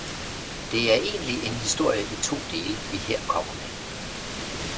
Det er egentligt en historie i to dele, vi her kommer med.